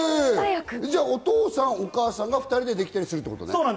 お母さんとお父さん、２人でできたりするってことですか。